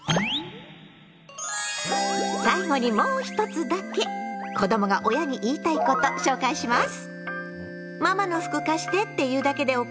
最後にもう一つだけ「子どもが親に言いたいこと」紹介します。